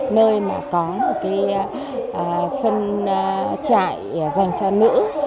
nơi có phân trại dành cho nữ